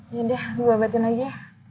yaudah gue abatin lagi ya